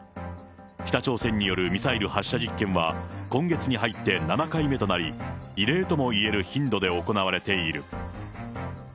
北朝鮮によるミサイル発射実験は、今月に入って７回目となり、異例ともいえる頻度で行われている。